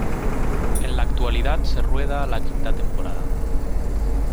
En la actualidad se rueda la quinta temporada.